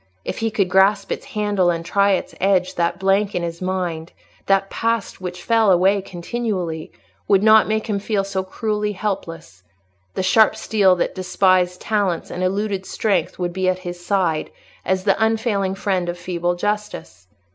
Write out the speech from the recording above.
If he could grasp its handle and try its edge, that blank in his mind—that past which fell away continually—would not make him feel so cruelly helpless: the sharp steel that despised talents and eluded strength would be at his side, as the unfailing friend of feeble justice.